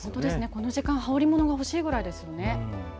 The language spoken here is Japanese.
この時間織物が欲しいぐらいです。